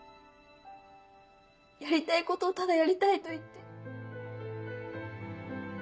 やりたいことをただやりたいと言って。